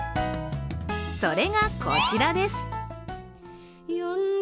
それがこちらです。